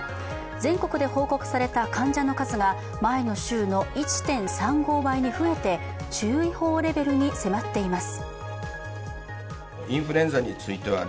全国で報告された患者の数が、前の週の１．３５倍に増えて注意報レベルに迫っています。